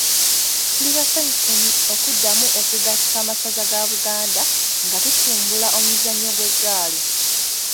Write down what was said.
Tuli basanyufu okuddamu okugatta amasaza ga Buganda nga tutumbula omuzannyo gw’eggaali .